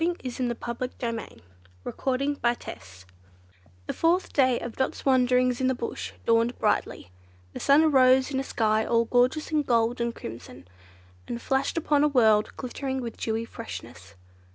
Chapter 10 The Search for Willy Wagtail The fourth day of Dot's wanderings in the Bush dawned brightly. The sun arose in a sky all gorgeous in gold and crimson, and flashed upon a world glittering with dewy freshness.